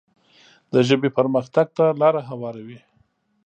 د ژبې پرمختګ ته لاره هواروي.